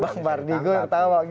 bang bardi gue yang ketawa